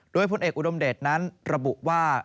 โดยพลเอกอุดมเดชนั้นระบุว่า